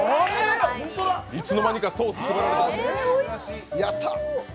いつの間にかソース配られてる。